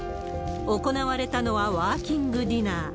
行われたのは、ワーキングディナー。